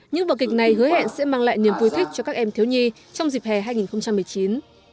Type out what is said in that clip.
những vở kịch này hứa hẹn sẽ mang lại niềm vui thích cho các em thiếu nhi trong dịp hè hai nghìn một mươi chín